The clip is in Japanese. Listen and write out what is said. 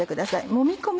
もみ込む